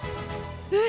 えっ！